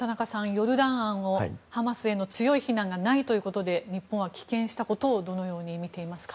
ヨルダン案をハマスへの強い非難がないということで日本は棄権したことをどのようにみていますか？